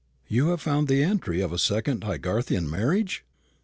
"You have found the entry of a second Haygarthian marriage?"